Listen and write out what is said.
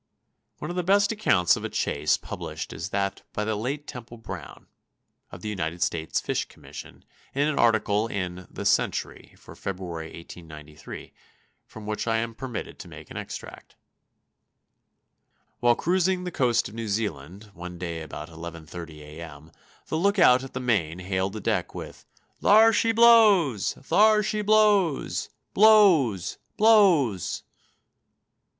One of the best accounts of a chase published is that by the late Temple Brown, of the United States Fish Commission, in an article in "The Century" for February, 1893, from which I am permitted to make an extract: While cruising on the coast of New Zealand, one day about 11.30 A. M., the lookout at the main hailed the deck with: "Thar sh' b l o w s! Thar sh' b l o w s! Blows! B l o w s!"